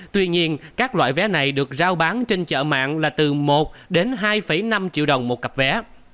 tuy nhiên các loại vé này được giao bán trên chợ mạng là từ một đến hai năm triệu đồng một cặp vé